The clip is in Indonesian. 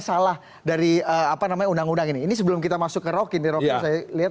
salah dari apa namanya undang undang ini ini sebelum kita masuk ke rocky nih rocky saya lihat